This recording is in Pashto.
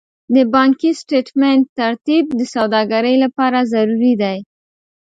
د بانکي سټېټمنټ ترتیب د سوداګرۍ لپاره ضروري دی.